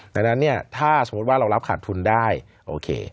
ดังนั้นเนี่ยถ้าสมมุติว่าเรารับขาดทุนได้โอเค